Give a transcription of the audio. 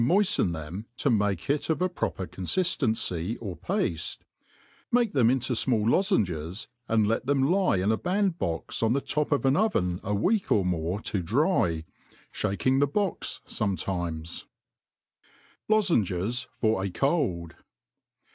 moiften them to make it of a proper confift* ency or pafte^ make them into fmall lozenges, and let them lie in a band bbx on tbe top of an oven a week or more to dry, Ihaking tbe box fometimes» ■^ Lozenges for a Cold.